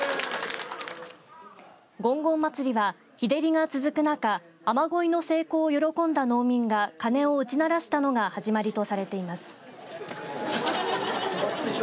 ごんごん祭りは日照りが続く中雨ごいの成功を喜んだ農民が鐘を打ち鳴らしたのが始まりとされています。